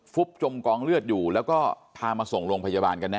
จมกองเลือดอยู่แล้วก็พามาส่งโรงพยาบาลกันแน